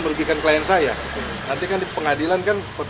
merugikan klien saya nanti kan